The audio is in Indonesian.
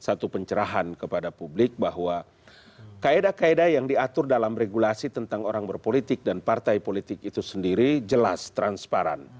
satu pencerahan kepada publik bahwa kaedah kaedah yang diatur dalam regulasi tentang orang berpolitik dan partai politik itu sendiri jelas transparan